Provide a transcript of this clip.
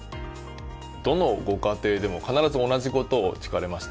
どのご家庭でも必ず同じ事を聞かれまして。